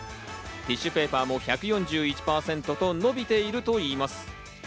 ティッシュペーパーも１４１％と伸びているといいます。